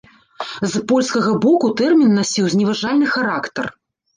З польскага боку тэрмін насіў зневажальны характар.